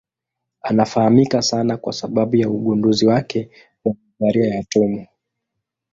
Anafahamika sana kwa sababu ya ugunduzi wake wa nadharia ya atomu.